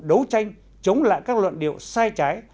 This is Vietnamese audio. đấu tranh chống lại các luận điệu sai trái